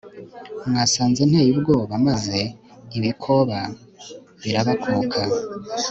mwasanze nteye ubwoba, maze ibikoba birabakuka